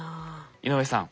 井上さん